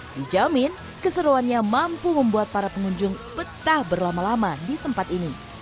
dijamin keseruannya mampu membuat para pengunjung betah berlama lama di tempat ini